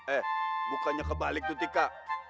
eh bukannya kebalik tuh tika